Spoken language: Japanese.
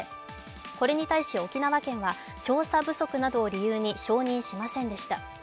これに対し沖縄県は調査不足などを理由に承認しませんでした。